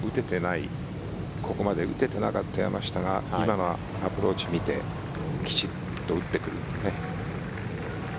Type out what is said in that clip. ここまで打ててなかった山下が今のアプローチを見てきちっと打ってくる。